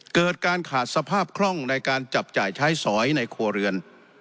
เกิดการขาดสภาพคล่องในการจับจ่ายใช้สอยในครัวเรือน